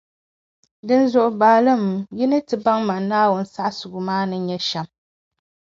Dinzuɣu ni baalim, yi ni ti baŋ Mani Naawuni saɣisigu maa ni nyɛ shεm.